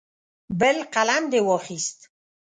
بل قلم دې واخیست.